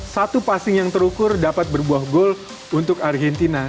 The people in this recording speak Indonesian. satu passing yang terukur dapat berbuah gol untuk argentina